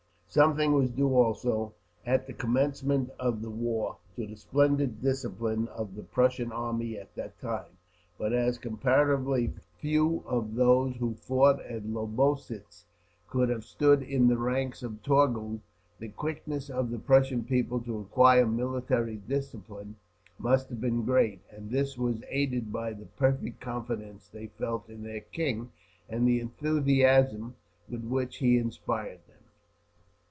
Something was due also, at the commencement of the war, to the splendid discipline of the Prussian army at that time; but as comparatively few of those who fought at Lobositz could have stood in the ranks at Torgau, the quickness of the Prussian people to acquire military discipline must have been great; and this was aided by the perfect confidence they felt in their king, and the enthusiasm with which he inspired them.